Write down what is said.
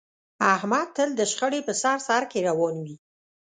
احمد تل د شخړې په سر سرکې روان وي.